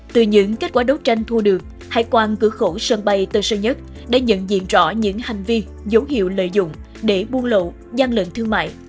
từ những kết quả đấu tranh thu được hải quan cư khẩu sân bay tân sân nhất đã nhận diện rõ những hành vi dấu hiệu lợi dụng để buôn lộ dân lặng thương mại